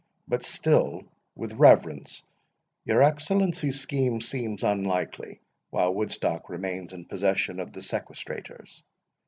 But still, with reverence, your Excellency's scheme seems unlikely, while Woodstock remains in possession of the sequestrators.